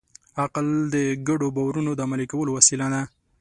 عقل د ګډو باورونو د عملي کولو وسیله ده.